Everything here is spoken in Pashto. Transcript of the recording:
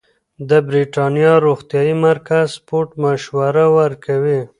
د بریتانیا روغتیايي مرکز سپورت مشوره ورکوي.